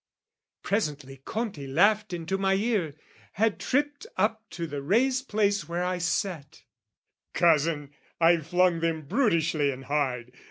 Presently Conti laughed into my ear, Had tripped up to the raised place where I sat "Cousin, I flung them brutishly and hard!